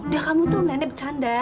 dia kamu tuh nenek bercanda